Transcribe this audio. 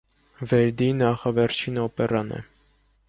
Վերդիի նախավերջին օպերան է։